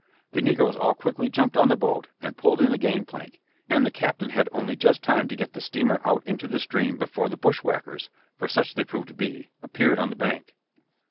The negroes all quickly jumped on the boat and pulled in the gang plank, and the captain had only just time to get the steamer out into the stream before the bushwhackers for such they proved to be appeared on the bank.